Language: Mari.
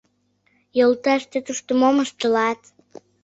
— Йолташ, тый тушто мом ыштылат?..